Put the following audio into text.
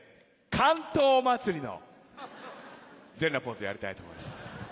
竿燈まつりの全裸ポーズやりたいと思います。